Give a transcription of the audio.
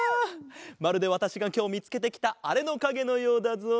まるでわたしがきょうみつけてきたあれのかげのようだぞ。